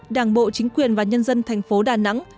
đảng bộ chính quyền và nhân dân thành phố đà nẵng